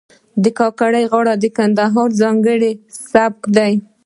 د کاکړۍ غاړې د کندهار ځانګړی سبک دی.